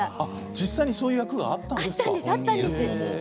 実際にそういう役があったんです。